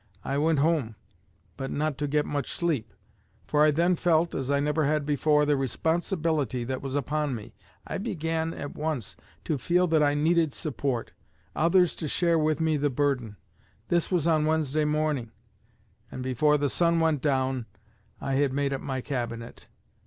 I went home, but not to get much sleep; for I then felt, as I never had before, the responsibility that was upon me. I began at once to feel that I needed support, others to share with me the burden. This was on Wednesday morning, and before the sun went down I had made up my Cabinet.